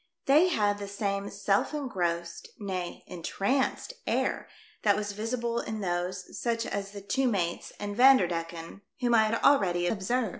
They had the same self engrossed, nay, entranced air that was visible in those, such as the two mates and Vander decken, whom I had already observed.